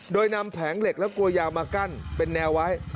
โดยนำแผงเหล็กและกลัวยางมากั้นเป็นแนวไว้